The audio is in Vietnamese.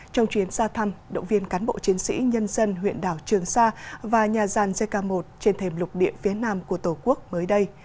trong chuyến xa thăm động viên cán bộ chiến sĩ nhân dân huyện đảo trường sa và nhà gian jk một trên thềm lục địa phía nam của tổ quốc mới đây